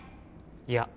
いや。